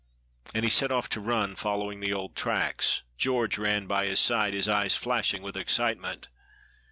And he set off to run, following the old tracks. George ran by his side, his eyes flashing with excitement.